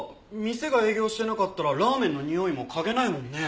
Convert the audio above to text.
店が営業してなかったらラーメンのにおいも嗅げないもんね。